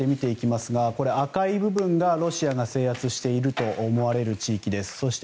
赤い部分がロシアが制圧していると思われる地域です。